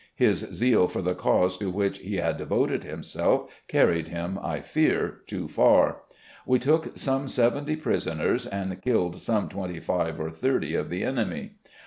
His zeal for the cause to which he had devoted himself carried him, I fear, too far. We took some seventy prisoners, and killed some twenty five or thirty of the enemy.